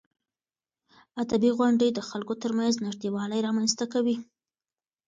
ادبي غونډې د خلکو ترمنځ نږدېوالی رامنځته کوي.